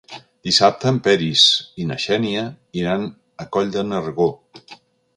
Dissabte en Peris i na Xènia iran a Coll de Nargó.